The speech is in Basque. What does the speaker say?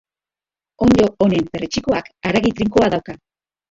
Onddo honen perretxikoak haragi trinkoa dauka.